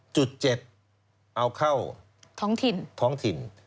จุด๗เอาเข้าท้องถิ่น